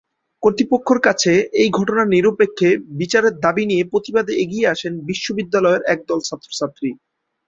কর্তৃপক্ষের কাছে এই ঘটনার নিরপেক্ষ বিচারের দাবি নিয়ে প্রতিবাদে এগিয়ে আসেন বিশ্ববিদ্যালয়ের একদল ছাত্রছাত্রী।